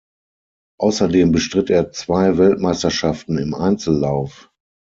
Außerdem bestritt er zwei Weltmeisterschaften im Einzellauf.